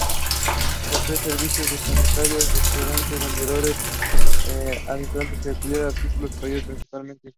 Posee servicios de sanitarios, restaurante, vendedores ambulantes y alquiler de artículos playeros, principalmente inflables.